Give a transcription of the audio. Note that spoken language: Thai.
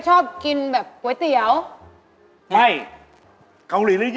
ใช่ไปกันไม่ได้หรอก